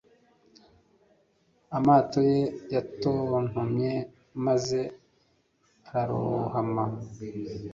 Amato ye yatontomye maze ararohama